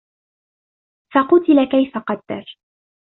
فَقُتِلَ كَيْفَ قَدَّرَ